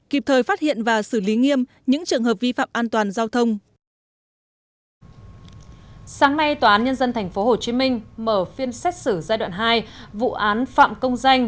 kịp thời phát hiện và xử lý nghiêm những trường hợp vi phạm an toàn giao thông